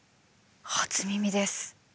初耳です。